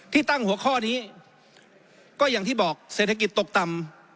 ที่ตั้งหัวข้อนี้ก็อย่างที่บอกเศรษฐกิจตกต่ำ